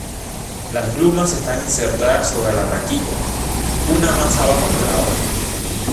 Las glumas están insertadas sobre la raquilla, una más abajo que la otra.